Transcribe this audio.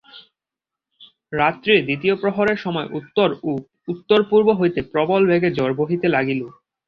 রাত্রি দ্বিতীয় প্রহরের সময় উত্তর ও উত্তর-পূর্ব হইতে প্রবল বেগে ঝড় বহিতে লাগিল।